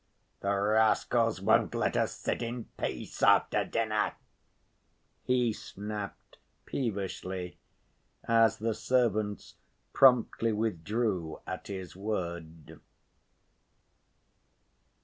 The rascals won't let us sit in peace after dinner," he snapped peevishly, as the servants promptly withdrew at his word.